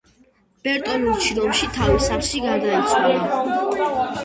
ბერტოლუჩი რომში, თავის სახლში გარდაიცვალა.